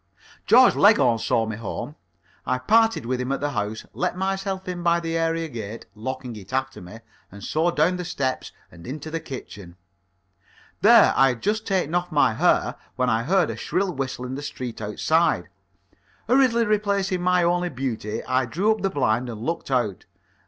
Georgie Leghorn saw me home. I parted with him at the house, let myself in by the area gate, locking it after me, and so down the steps and into the kitchen. There I had just taken off my hair when I heard a shrill whistle in the street outside. Hurriedly replacing my only beauty, I drew up the blind and looked out.